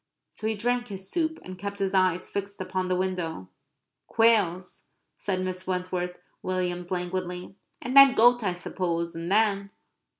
So he drank his soup; and kept his eyes fixed upon the window. "Quails," said Mrs. Wentworth Williams languidly. "And then goat, I suppose; and then..."